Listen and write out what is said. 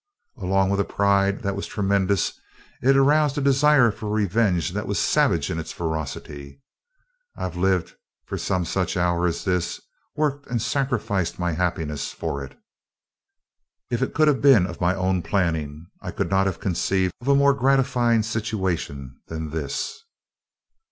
Along with a pride that was tremendous, it aroused a desire for revenge that was savage in its ferocity. I've lived for some such hour as this worked, and sacrificed my happiness for it. "If it could have been of my own planning I could not have conceived of a more gratifying situation than this.